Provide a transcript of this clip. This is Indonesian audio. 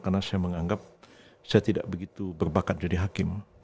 karena saya menganggap saya tidak begitu berbakat jadi hakim